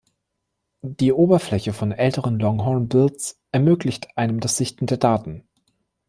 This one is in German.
Die Oberfläche von älteren Longhorn-Builds ermöglicht einem das Sichten der Daten.